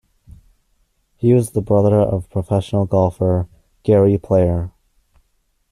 He was the brother of professional golfer Gary Player.